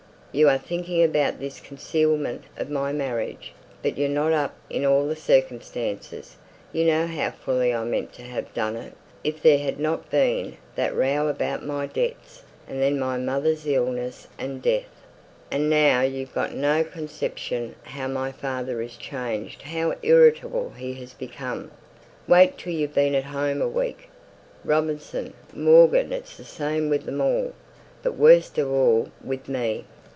You're thinking about this concealment of my marriage; but you're not up in all the circumstances. You know how fully I meant to have done it, if there hadn't been that row about my debts; and then my mother's illness and death. And now you've no conception how my father is changed how irritable he has become! Wait till you've been at home a week! Robinson, Morgan it's the same with them all; but worst of all with me."